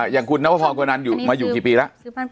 อย่างคุณนักประธานกว่านั้นมาอยู่กี่ปีละ